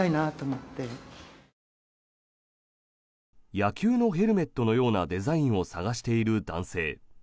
野球のヘルメットのようなデザインを探している男性。